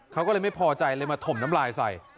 เขาก็เลยไม่พอใจเลยมาถมน้ำลายใส่